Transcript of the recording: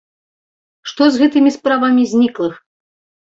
Што з гэтымі справамі зніклых?